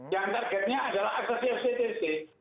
yang targetnya adalah aksesif ctc